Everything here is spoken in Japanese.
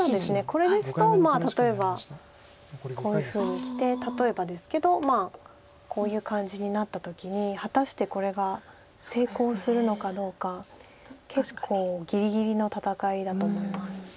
これですと例えばこういうふうにきて例えばですけどこういう感じになった時に果たしてこれが成功するのかどうか結構ぎりぎりの戦いだと思います。